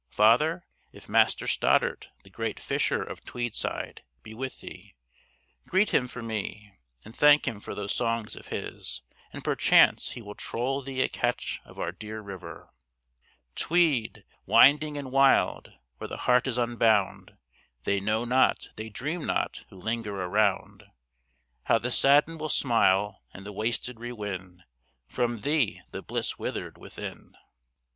Father, if Master Stoddard, the great fisher of Tweed side, be with thee, greet him for me, and thank him for those songs of his, and perchance he will troll thee a catch of our dear River. Tweed! winding and wild! where the heart is unbound, They know not, they dream not, who linger around, How the saddened will smile, and the wasted rewin From thee the bliss withered within.